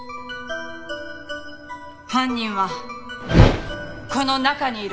犯人はこの中にいる。